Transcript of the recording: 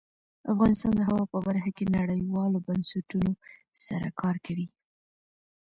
افغانستان د هوا په برخه کې نړیوالو بنسټونو سره کار کوي.